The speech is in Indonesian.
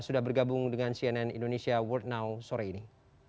sudah bergabung dengan cnn indonesia world now sore ini